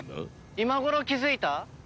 今頃気づいた？